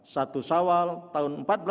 satu sawal tahun seribu empat ratus empat puluh